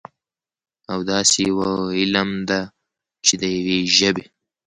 او داسي يوه علم ده، چې د يوي ژبې